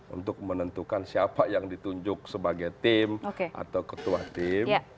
untuk menentukan siapa yang ditunjuk sebagai tim atau ketua tim